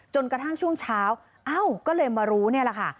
จนกระทั่งช่วงเช้าเอ้าก็เลยมารู้นี่แหละค่ะ